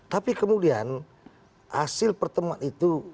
tapi kemudian hasil pertemuan itu